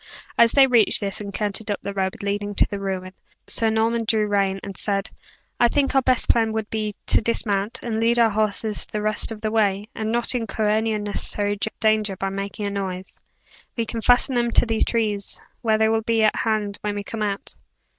As they reached this, and cantered up the road leading to the ruin, Sir Norman drew rein, and said: "I think our best plan would be, to dismount, and lead our horses the rest of the way, and not incur any unnecessary danger by making a noise. We can fasten them to these trees, where they will be at hand when we come out."